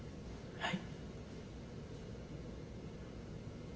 はい。